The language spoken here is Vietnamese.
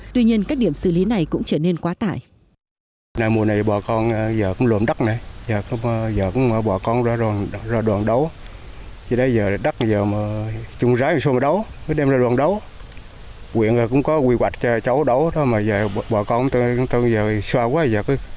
tuy nhiên các điểm xử lý này cũng trở nên quá tải